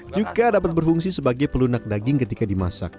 juga dapat berfungsi sebagai pelunak daging ketika dimasak